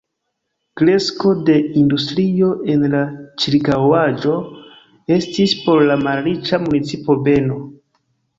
Kresko de industrio en la ĉirkaŭaĵo estis por la malriĉa municipo beno.